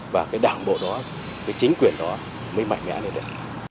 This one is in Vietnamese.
và đảng bộ đó chính quyền đó mới mạnh mẽ lên được